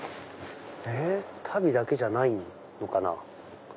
足袋だけじゃないのかな？